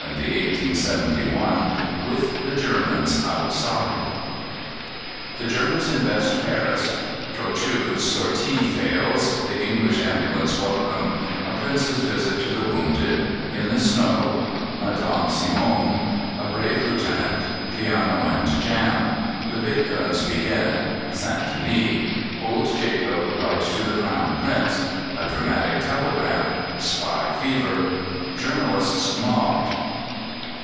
CHAPTER XVII THE SIEGE OF PARIS (1870 1871) WITH THE GERMANS OUTSIDE The Germans invest Paris Trochu's sortie fails The English ambulance welcomed A Prince's visit to the wounded In the snow Madame Simon A brave Lieutenant Piano and jam The big guns begin St. Denis Old Jacob writes to the Crown Prince A dramatic telegram Spy fever Journalists mobbed.